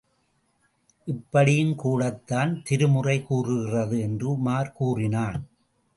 இப்படியும் கூடத்தான் திருமுறை கூறுகிறது என்று உமார் கூறினான்.